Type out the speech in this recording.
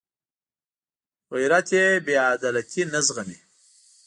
غیرت بېعدالتي نه زغمي